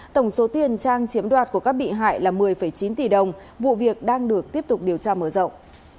tổng số tiền trang chiếm đoạt của các bị hại là một mươi chín tỷ đồng vụ việc đang được tiếp tục điều tra mở rộng